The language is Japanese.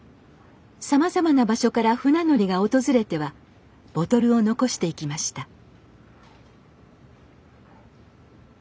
さまざまな場所から船乗りが訪れてはボトルを残していきました